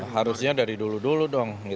harusnya dari dulu dulu dong